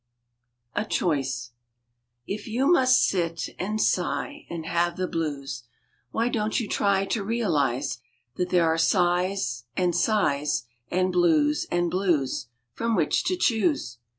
A CHOICE IF you must sit and sigh, And have the blues, Why don t you try To realize That there are sighs and sighs, And blues and blues, From which to choose?